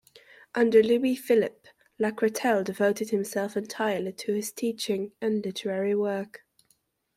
Under Louis Philippe Lacretelle devoted himself entirely to his teaching and literary work.